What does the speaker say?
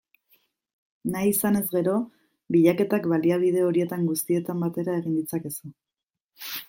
Nahi izanez gero, bilaketak baliabide horietan guztietan batera egin ditzakezu.